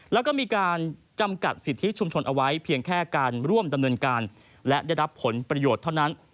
แล้วก็มีการจำกัดสิทธิชุมชนเอาไว้เพียงแค่การร่วมดำเนินการและได้รับผลประโยชน์เท่านั้น